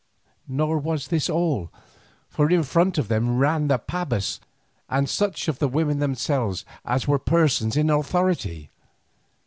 Nor was this all, for in front of them ran the pabas and such of the women themselves as were persons in authority.